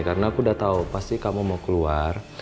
karena aku udah tau pasti kamu mau keluar